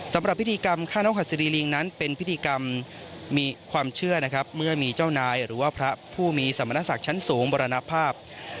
สำหรับพิธีกรรมข้้าน้วคศดีลิงค์นั้นเป็นพิธีกรมมีความเชื่อเมื่อมีเจ้านายหรือว่าพระผู้มีสัมมนตรศักดิ์ชั้นสูงบรรณภาพ